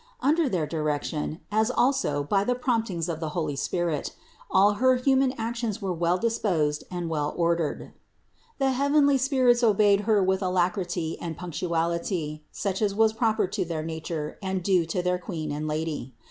Under their direction, as also by the promptings of the holy Spirit, all her human actions were well disposed and well or dered. The heavenly spirits obeyed Her with alacrity THE INCARNATION 157 and punctuality, such as was proper to their nature and due to their Queen and Lady.